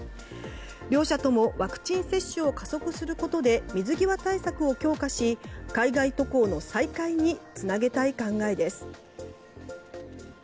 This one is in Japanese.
両社ともワクチン接種を加速することで水際対策を強化し海外渡航の再開につなげたい考えです。